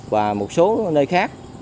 và một số nơi khác